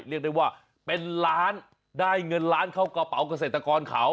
เรียกได้ว่าเป็นล้านได้เงินล้านเข้ากระเป๋าเกษตรกรเขา